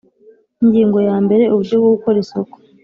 Ingingo ya mbere Uburyo bwo gukora isoko